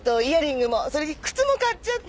それに靴も買っちゃって。